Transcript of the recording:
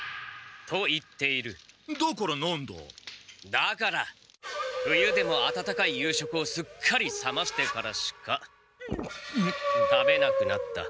だから冬でも温かい夕食をすっかり冷ましてからしか食べなくなった。